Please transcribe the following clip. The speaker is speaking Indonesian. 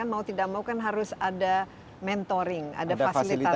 mau tidak mau kan harus ada mentoring ada fasilitas